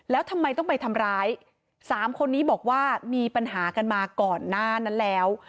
แล้วทำไมต้องไปทำร้ายสามคนนี้บอกว่ามีปัญหากันมาก่อนหน้านั้นแล้ว